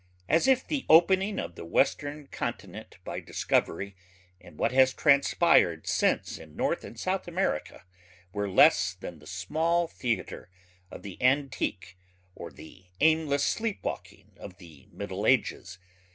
As if the opening of the western continent by discovery and what has transpired since in North and South America were less than the small theatre of the antique or the aimless sleepwalking of the middle ages!